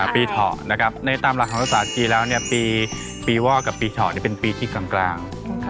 ปีเถานะครับในตามหลักของศาสตรีแล้วปีว่อกับปีเถาเป็นปีที่กลาง